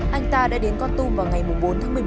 anh ta đã đến co tùm vào ngày bốn tháng một mươi một